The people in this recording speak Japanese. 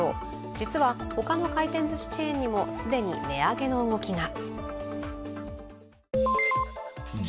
実は、他の回転ずしチェーンにも既に値上げの動きが。